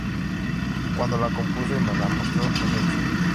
Cuando la compuso y me la mostró no me gustó.